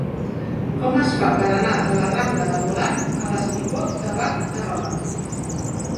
Com es fa per anar de la rambla de Volart al espigó de Bac de Roda?